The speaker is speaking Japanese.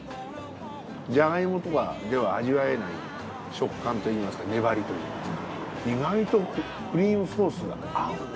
ジャガイモとかでは味わえない食感といいますか粘りといいますか意外とクリームソースが合うんだ。